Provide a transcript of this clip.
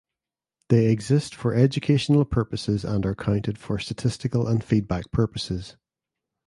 They exist for educational purposes and are counted for statistical and feedback purposes.